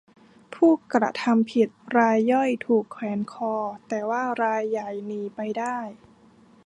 ผู้กระทำผิดรายย่อยถูกแขวนคอ แต่ว่ารายใหญ่หนีไปได้